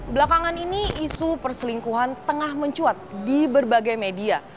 belakangan ini isu perselingkuhan tengah mencuat di berbagai media